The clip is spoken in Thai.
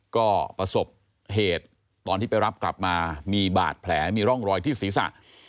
ก็ประสบเหตุตอนที่ไปรับกลับมามีบาดแผลมีร่องรอยที่ศีรษะ